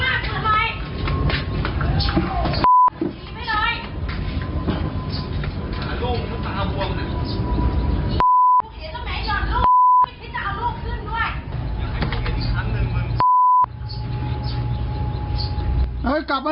เอ้ยกลับมานี่เดี๋ยวจะเอามา